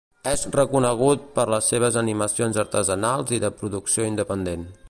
És reconegut per les seves animacions artesanals i de producció independent.